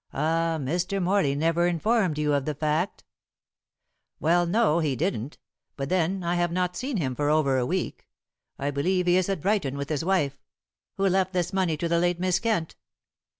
"Ah! Mr. Morley never informed you of the fact." "Well, no, he didn't; but then, I have not seen him for over a week. I believe he is at Brighton with his wife. Who left this money to the late Miss Kent?"